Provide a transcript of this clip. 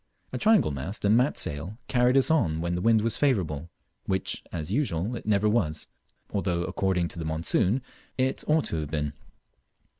A triangle mast and mat sail carried us on when the wind was favourable, which (as usual) it never was, although, according to the monsoon, it ought to have been.